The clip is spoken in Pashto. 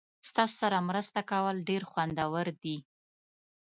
ستاسو سره مرسته کول ډیر خوندور دي.